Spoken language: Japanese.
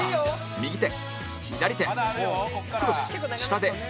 右手左手クロス下でバイバイ